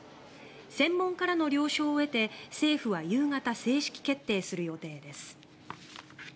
専門家らの了承を得て政府は夕方正式決定する予定です。